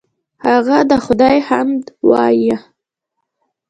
هغه د خدای حمد وایه.